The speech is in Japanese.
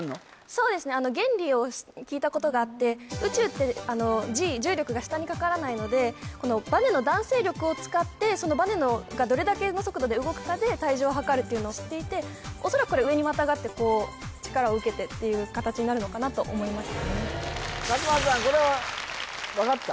そうですねあの原理を聞いたことがあってこのバネの弾性力を使ってそのバネがどれだけの速度で動くかで体重を量るっていうのを知っていて恐らくこれ上にまたがってこう力を受けてっていう形になるのかなと思いました勝間田さんこれは分かった？